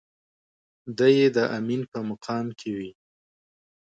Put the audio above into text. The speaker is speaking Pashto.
دی يې د امين په مقام کې وي.